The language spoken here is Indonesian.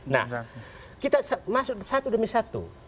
nah kita masuk satu demi satu